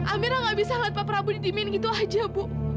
amira nggak bisa ngeliat pak prabu didimbing gitu aja bu